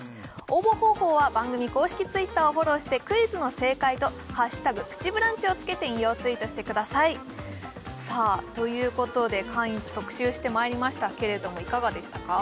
応募方法は番組公式Ｔｗｉｔｔｅｒをフォローしてクイズの正解と「＃プチブランチ」をつけて引用ツイートしてくださいさあということでカインズ特集してまいりましたけれどもいかがでしたか？